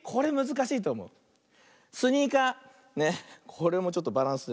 これもちょっとバランス。